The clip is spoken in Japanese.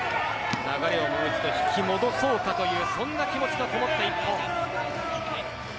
流れを引き戻そうかというそんな気持ちのこもった１本。